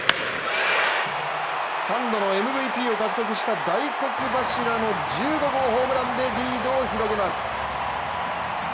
３度のＭＶＰを獲得した大黒柱の１５号ソロホームランでリードを広げます。